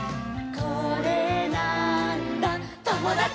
「これなーんだ『ともだち！』」